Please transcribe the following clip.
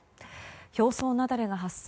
表層雪崩が発生。